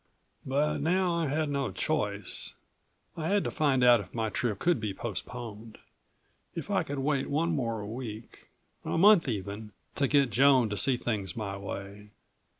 But now I had no choice. I had to find out if my trip could be postponed, if I could wait one more week a month, even to get Joan to see things my way.